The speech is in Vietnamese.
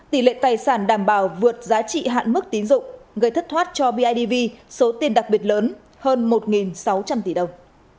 tỷ lệ tài sản đảm bảo vượt giá trị hạn mức tín dụng gây thất thoát cho bidv số tiền đặc biệt lớn hơn một sáu trăm linh tỷ đồng